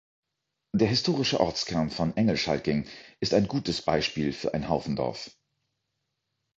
Der historische Ortskern von Englschalking ist ein gutes Beispiel für ein Haufendorf.